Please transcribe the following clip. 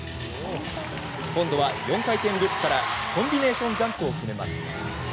今度は４回転ルッツからコンビネーションジャンプを決めます。